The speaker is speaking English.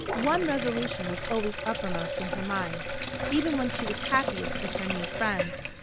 One resolution was always uppermost in her mind, even when she was happiest with her new friends.